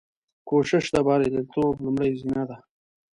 کوشش د بریالیتوب لومړۍ زینه ده.